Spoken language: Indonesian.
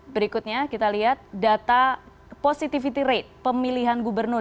berikutnya kita lihat data positivity rate pemilihan gubernur